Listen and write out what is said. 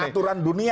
ini aturan dunia